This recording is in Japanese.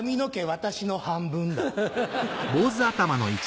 私の半分だ。